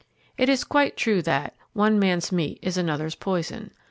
It is quite true that "One man's meat is another's poison."